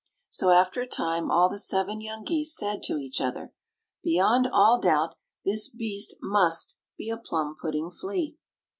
So, after a time, all the seven young geese said to each other: "Beyond all doubt this beast must be a plum pudding flea!"